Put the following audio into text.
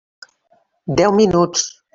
Deu minuts.